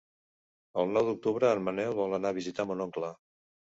El nou d'octubre en Manel vol anar a visitar mon oncle.